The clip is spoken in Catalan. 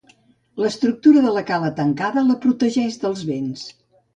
L'estructura de cala tancada la protegeix dels vents.